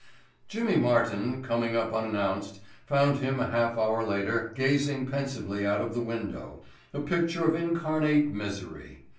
Jimmy Martin, coming up unannounced, found him a half hour later gazing pensively out of the window—a picture of incarnate misery.